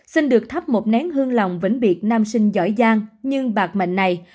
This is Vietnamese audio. xin được thắp một nén hương lòng vĩnh biệt nam sinh giỏi giang nhưng bạc mạnh này